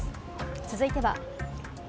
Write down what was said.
続いては。